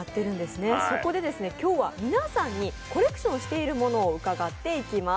そこで今日は皆さんにコレクションしているものを伺っていきます。